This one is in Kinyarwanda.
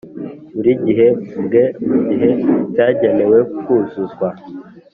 Buri gihembwe mu gihe cyagenewe kuzuzwa